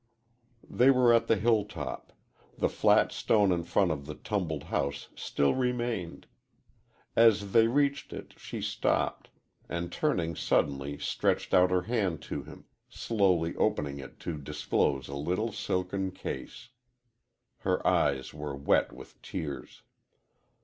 They were at the hill top. The flat stone in front of the tumbled house still remained. As they reached it she stopped, and turning suddenly stretched out her hand to him, slowly opening it to disclose a little silken case. Her eyes were wet with tears.